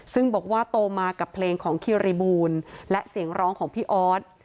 ซึ่งบอกว่าโตมากับเพลงของคิริบูลและเสียงร้องของพี่ออส